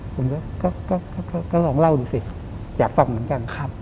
ผมก็ลองเล่าดูสิอยากฟังเหมือนกัน